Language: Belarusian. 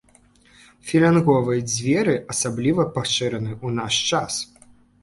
Філянговыя дзверы асабліва пашыраны ў наш час.